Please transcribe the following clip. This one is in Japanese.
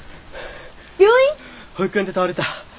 保育園で倒れた。